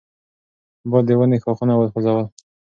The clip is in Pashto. باد د ونې ښاخونه وخوځول.